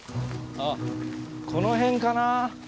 あっこの辺かな。